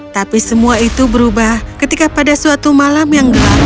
tapi semua itu berubah ketika pada suatu malam yang gelap